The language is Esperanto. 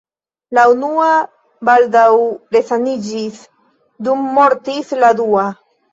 La unua baldaŭ resaniĝis, dum mortis la dua.